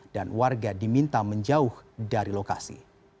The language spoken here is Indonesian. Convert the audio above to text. dan warga diminta menjauh dari lokasi